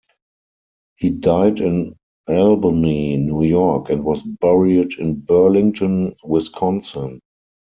He died in Albany, New York and was buried in Burlington, Wisconsin.